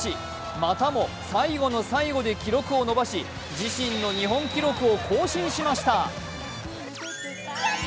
またも最後の最後で記録を伸ばし自身の日本記録を更新しました。